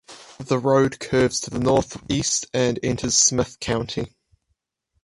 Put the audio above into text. The road curves to the northeast and enters Smith County.